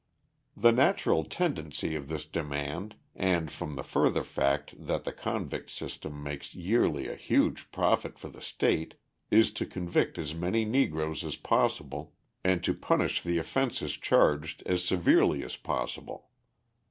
The natural tendency of this demand, and from the further fact that the convict system makes yearly a huge profit for the State, is to convict as many Negroes as possible, and to punish the offences charged as severely as possible.